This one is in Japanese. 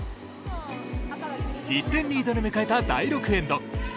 １点リードで迎えた第６エンド。